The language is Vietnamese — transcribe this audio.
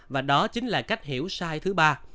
và đó chính là cách hiểu sai thứ ba